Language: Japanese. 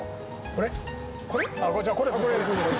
これ。